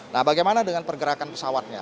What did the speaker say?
nah bagaimana dengan pergerakan pesawatnya